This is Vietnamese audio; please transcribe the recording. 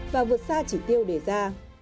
và vượt xa chỉ tiêu đề ra